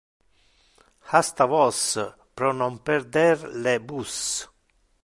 Hasta vos pro non perder le bus.